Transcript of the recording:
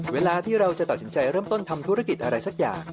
เวลาที่เราจะตัดสินใจเริ่มต้นทำธุรกิจอะไรสักอย่าง